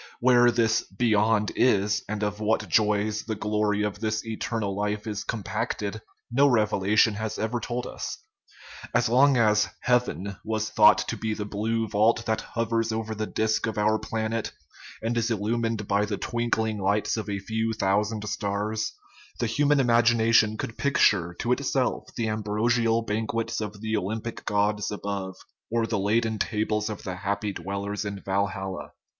Where this " beyond " is, and of what joys the glory of this eternal life is compacted, no revelation has ever told us. As long as " heaven " was thought to be the blue vault that hovers over the disk of our planet, and is il lumined by the twinkling light of a few thousand stars, 344 OUR MONISTIC RELIGION the human imagination could picture to itself the am brosial banquets of the Olympic gods above or the laden tables of the happy dwellers in Valhalla.